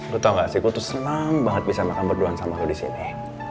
lo tau gak sih gue tuh senang banget bisa makan berduaan sama lo disini